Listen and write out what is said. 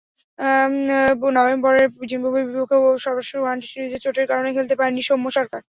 নভেম্বরে জিম্বাবুয়ের বিপক্ষে সর্বশেষ ওয়ানডে সিরিজে চোটের কারণে খেলতে পারেননি সৌম্য সরকার।